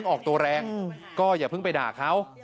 ออกตัวแรงก็อย่าเพิ่งไปด่าเขา